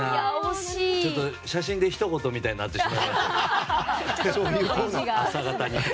写真でひと言みたいになってしまいましたけど。